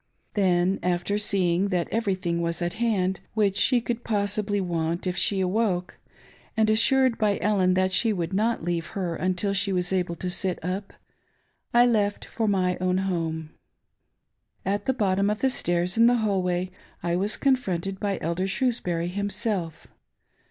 Then, after seeing that every thing was at hand which she could possibly want if she awoke, and assured by Ellen that she would not leave her until she was able to sit up, I left for my own home. At the bottom of the stairs, in the hall way, I was con fronted by Elder Shrewsbury himself.